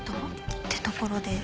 ってところで。